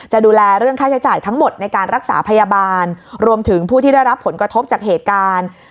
จะดูแลเรื่องค่าใช้จ่ายทั้งหมดในการรักษาพยาบาลรวมถึงผู้ที่ได้รับผลกระทบจากเหตุการณ์